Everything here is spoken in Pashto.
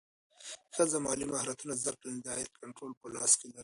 که ښځه مالي مهارتونه زده کړي، نو د عاید کنټرول په لاس کې لري.